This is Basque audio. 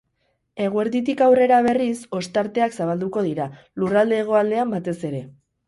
Eguerditik aurrera, berriz, ostarteak zabalduko dira, lurralde hegoaldean batez ere.